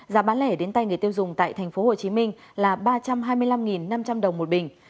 giá bán lẻ đến tay người tiêu dùng tại tp hcm là ba trăm hai mươi năm năm trăm linh đồng một bình